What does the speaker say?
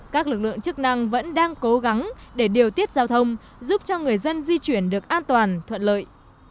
các lực lượng chức năng vẫn đang cố gắng để điều tiết giao thông giúp cho người dân di chuyển được an toàn thuận lợi